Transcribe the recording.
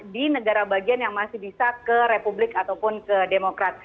di negara bagian yang masih bisa ke republik ataupun ke demokrat